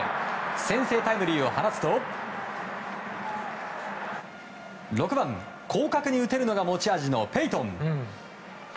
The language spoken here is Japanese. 先制タイムリーを放つと６番、広角に打てるのが持ち味のペイトン。